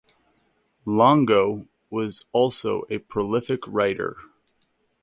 Longo was also a prolific writer.